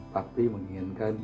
pak pri menginginkan